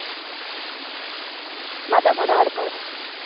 まだまだあるから。